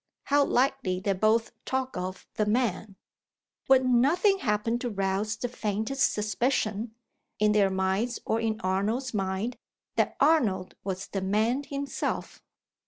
How lightly they both talked of the "man!" Would nothing happen to rouse the faintest suspicion in their minds or in Arnold's mind that Arnold was the "man" himself?